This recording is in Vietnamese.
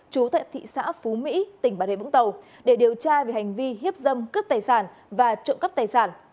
trú tại thị xã phú mỹ tỉnh bà rịa vũng tàu để điều tra về hành vi hiếp dâm cướp tài sản và trộm cắt tài sản